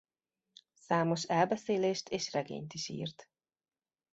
Számos elbeszélést és regényt is írt.